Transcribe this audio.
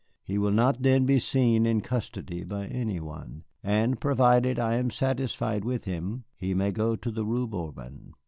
He will not then be seen in custody by any one, and provided I am satisfied with him he may go to the Rue Bourbon."